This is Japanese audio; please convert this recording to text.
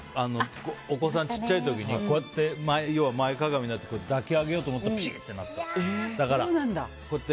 お子さん小さい時に前かがみになって抱き上げようと思ったらピシッとなったって。